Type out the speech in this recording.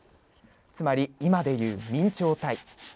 つまり、今で言う明朝体。